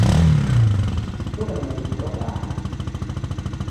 Oka na madumbu mabaha.